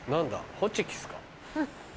ホチキスか？